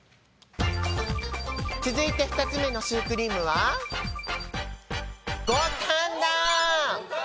続いて２つ目のシュークリームは五反田！